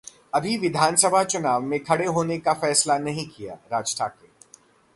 अभी विधानसभा चुनाव में खड़े होने का फैसला नहीं किया: राज ठाकरे